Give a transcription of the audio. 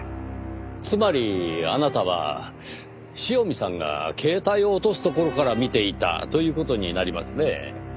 つまりあなたは塩見さんが携帯を落とすところから見ていたという事になりますねぇ。